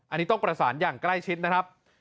อันนี้ต้องประสานอย่างใกล้ชิดนะครับ